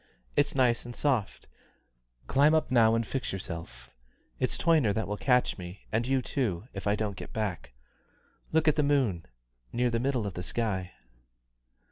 It's nice and soft climb up now and fix yourself. It's Toyner that will catch me, and you too, if I don't get back. Look at the moon near the middle of the sky."